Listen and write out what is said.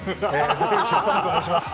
立石修と申します。